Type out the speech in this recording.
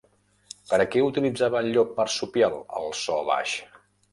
Per a què utilitzava el llop marsupial el so baix?